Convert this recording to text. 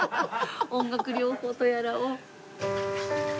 音楽療法とやらを。